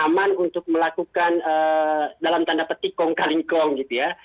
aman untuk melakukan dalam tanda petik kong kaling kong gitu ya